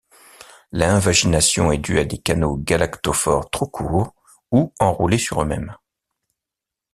L'invagination est due à des canaux galactophores trop courts ou enroulés sur eux-mêmes.